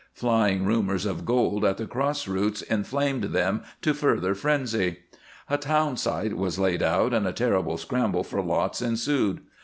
Flying rumors of gold at the cross roots inflamed them to further frenzy. A town site was laid out and a terrible scramble for lots ensued.